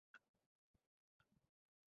Sir, আমি electrician.